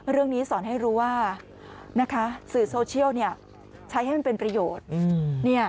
เรื่องนี้สอนให้รู้ว่าสื่อโซเชียลใช้ให้มันเป็นประโยชน์